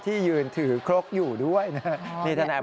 ที่ยืนถือครกอยู่ด้วยนะครับ